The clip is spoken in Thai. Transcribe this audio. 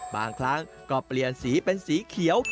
บางครั้งก็เปลี่ยนสีเป็นสีเขียว